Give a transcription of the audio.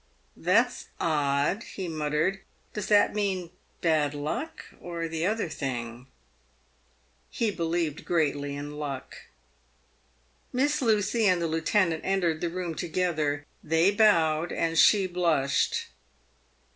" That's odd," he muttered ;" does that mean bad luck or the other thing ?" He believed greatly in luck. Miss Lucy and the lieutenant entered the room together. They bowed, and she blushed.